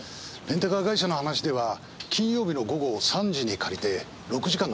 レンタカー会社の話では金曜日の午後３時に借りて６時間の契約だったようです。